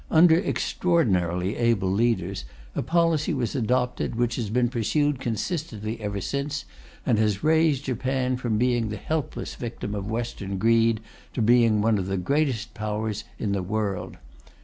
Under extraordinarily able leaders, a policy was adopted which has been pursued consistently ever since, and has raised Japan from being the helpless victim of Western greed to being one of the greatest Powers in the world.